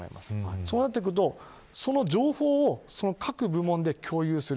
そうなってくるとその情報を各部門で共有する。